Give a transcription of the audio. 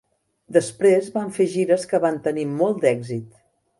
Després van fer gires que van tenir molt d'èxit.